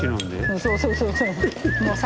そうそうそうそう。